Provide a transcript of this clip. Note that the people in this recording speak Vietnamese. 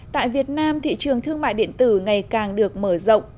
tại việt nam thị trường thương mại điện tử ngày càng được mở rộng